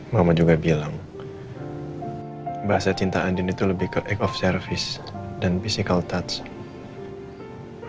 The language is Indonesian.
mama juga bilang bahasa cinta andin itu lebih ke eke off service dan physical touch